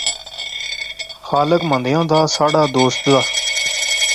خالق مندیاں دا فہ ساڑھا دوست دا